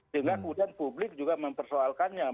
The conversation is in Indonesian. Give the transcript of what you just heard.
sehingga kemudian publik juga mempersoalkannya